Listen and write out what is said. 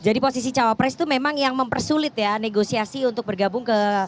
jadi posisi cowopres itu memang yang mempersulit ya negosiasi untuk bergabung ke koalisi pdip